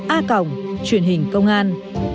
a cộng truyền hình công an